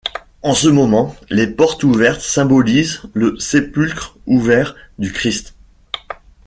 En ce moment, les portes ouvertes symbolisent le sépulcre ouvert du Christ.